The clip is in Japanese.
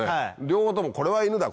両方ともこれはイヌだ